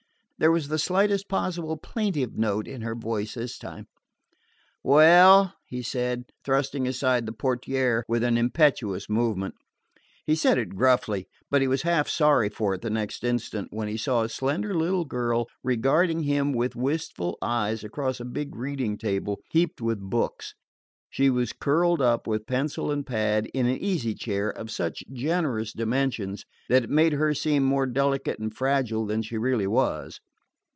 There was the slightest possible plaintive note in her voice this time. "Well?" he said, thrusting aside the portière with an impetuous movement. He said it gruffly, but he was half sorry for it the next instant when he saw a slender little girl regarding him with wistful eyes across the big reading table heaped with books. She was curled up, with pencil and pad, in an easy chair of such generous dimensions that it made her seem more delicate and fragile than she really was.